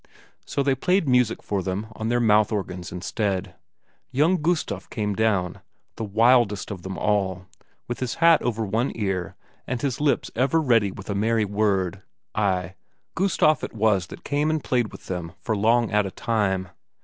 So they played music for them on their mouth organs instead. Young Gustaf came down, the wildest of them all, with his hat over one ear, and his lips ever ready with a merry word; ay, Gustaf it was that came and played with them for long at a time.